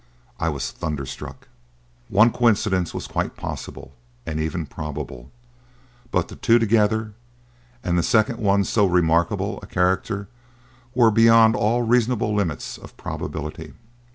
I was thunderstruck. One coincidence was quite possible and even probable; but the two together, and the second one of so remarkable a character, were beyond all reasonable limits of probability.